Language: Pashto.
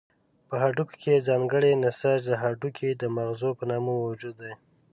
په هډوکو کې ځانګړی نسج د هډوکو د مغزو په نامه موجود دی.